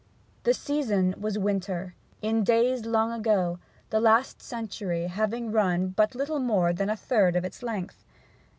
The season was winter, in days long ago, the last century having run but little more than a third of its length.